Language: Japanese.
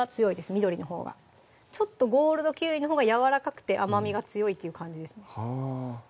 緑のほうがちょっとゴールドキウイのほうがやわらかくて甘味が強いっていう感じですね